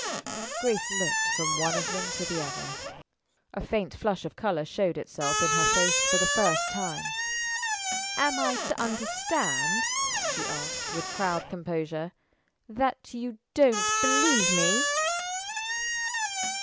Grace looked from one of them to the other. A faint flush of color showed itself in her face for the first time. "Am I to understand," she asked, with proud composure, "that you don't believe me?"